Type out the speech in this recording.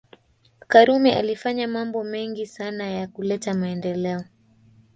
karume alifanya mambo mengo sana ya kuleta maendeleo